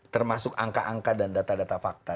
termasuk angka angka dan data data fakta